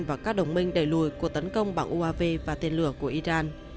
và các đồng minh đẩy lùi cuộc tấn công bằng uav và tên lửa của iran